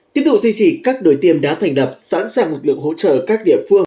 tiếp tục duy trì các đội tiêm đã thành đập sẵn sàng lực lượng hỗ trợ các địa phương